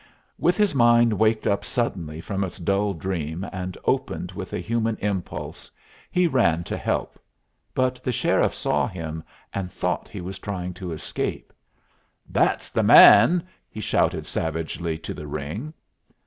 With his mind waked suddenly from its dull dream and opened with a human impulse, he ran to help; but the sheriff saw him, and thought he was trying to escape. "That's the man!" he shouted savagely to the ring.